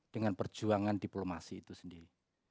dengan perjuangan diplomasi itu sendiri